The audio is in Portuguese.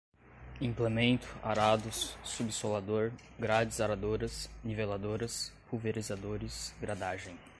implemento, arados, subsolador, grades aradoras, niveladoras, pulverizadores, gradagem